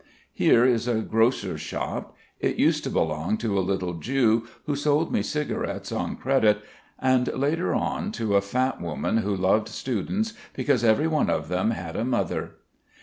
Here is a grocer's shop. It used to belong to a little Jew who sold me cigarettes on credit, and later on to a fat woman who loved students "because every one of them had a mother."